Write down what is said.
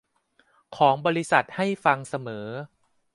ของบริษัทให้ฟังเสมอ